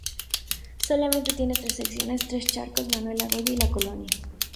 Solamente tiene tres Secciones: Tres Charcos, Manuel Goya y la Colonia.